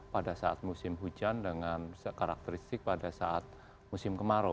pada saat musim hujan dengan karakteristik pada saat musim kemarau